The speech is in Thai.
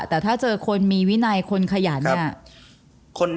แต่ถ้าเจอคนมีวินัยคนขยันเนี่ย